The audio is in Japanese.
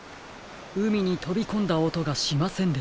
うみにとびこんだおとがしませんでしたね。